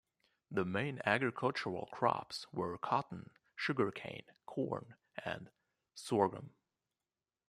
The main agricultural crops were cotton, sugarcane, corn, and sorghum.